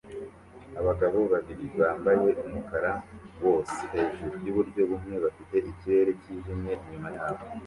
Abagabo babiri bambaye umukara wose hejuru yuburyo bumwe bafite ikirere cyijimye inyuma yabo